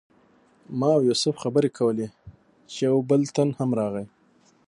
ما او یوسف خبرې کولې چې یو بل تن هم راغی.